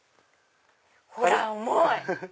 ほら重い！